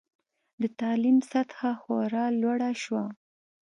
د تعلیم سطحه خورا لوړه شوه.